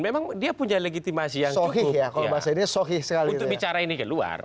memang dia punya legitimasi yang cukup untuk bicara ini ke luar